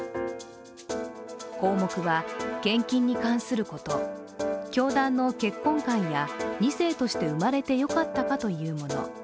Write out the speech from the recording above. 項目は、献金に関すること教団の結婚観や２世として生まれてよかったかというもの。